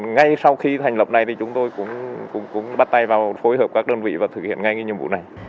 ngay sau khi thành lập này thì chúng tôi cũng bắt tay vào phối hợp các đơn vị và thực hiện ngay nhiệm vụ này